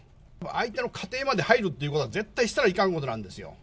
相手の家庭まで入るということは絶対したらいかんことなんですよ。